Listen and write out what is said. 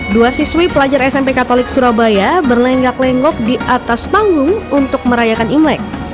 dua siswi pelajar smp katolik surabaya berlenggak lenggok di atas panggung untuk merayakan imlek